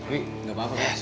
wih gak apa apa